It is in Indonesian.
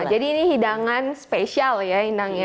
jadi ini hidangan spesial ya inang ya